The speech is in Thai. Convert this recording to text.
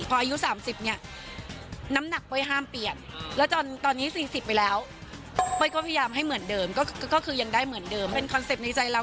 พออายุ๓๐เนี่ยน้ำหนักเป้ยห้ามเปลี่ยนแล้วจนตอนนี้๔๐ไปแล้วเป้ยก็พยายามให้เหมือนเดิมก็คือยังได้เหมือนเดิมเป็นคอนเซ็ปต์ในใจเรา